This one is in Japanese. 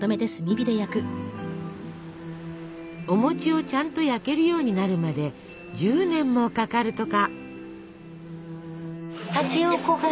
お餅をちゃんと焼けるようになるまで１０年もかかるとか。